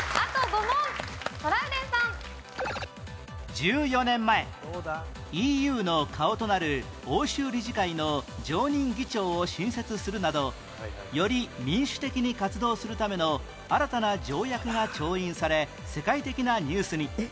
１４年前 ＥＵ の顔となる欧州理事会の常任議長を新設するなどより民主的に活動するための新たな条約が調印され世界的なニュースに